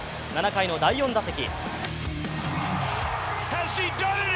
７回の第４打席。